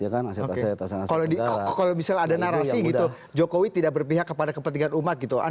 kalau misalnya ada narasi gitu jokowi tidak berpihak kepada kepentingan umat gitu